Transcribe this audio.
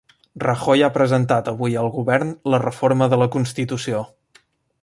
Rajoy ha presentat avui al govern la reforma de la constitució